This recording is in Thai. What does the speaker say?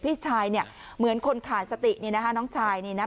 พี่ชายเนี่ยเหมือนคนขาดสตินี่นะคะน้องชายนี่นะ